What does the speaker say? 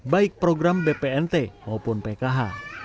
baik program bpnt maupun pkh